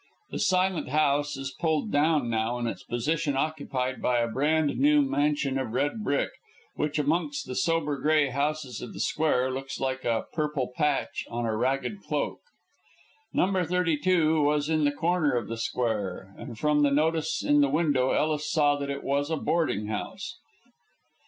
The Silent House is pulled down now, and its position occupied by a brand new mansion of red brick, which, amongst the sober grey houses of the square, looks like a purple patch on a ragged cloak. Number thirty two was in the corner of the square, and from the notice in the window Ellis saw that it was a boarding house.